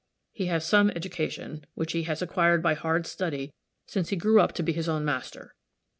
He has some education, which he has acquired by hard study since he grew up to be his own master.